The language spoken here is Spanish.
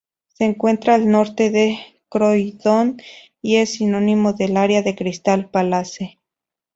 Se encuentra al norte de Croydon y es sinónimo del área de Crystal Palace.